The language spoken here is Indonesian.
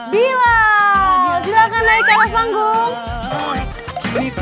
bila silahkan naik ke atas panggung